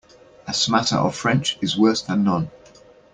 A smatter of French is worse than none.